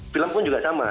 film pun juga sama